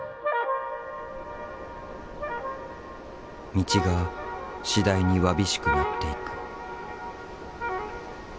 道が次第にわびしくなっていく。